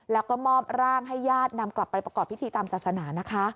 แล้วก็มอบร่างให้ญาตินำกลับไปประกอบพิธีตามศาสนานะคะ